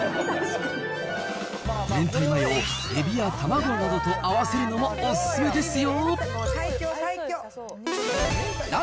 めんたいマヨをエビや卵などと合わせるのもお勧めですよ。